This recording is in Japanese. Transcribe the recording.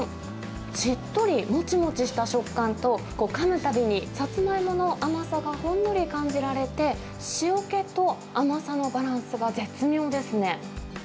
しっとりもちもちした食感と、かむたびにサツマイモの甘さがほんのり感じられて、塩気と甘さのバランスが絶妙ですね。